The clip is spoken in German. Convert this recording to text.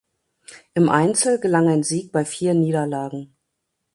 Im Einzel gelang ein Sieg bei vier Niederlagen.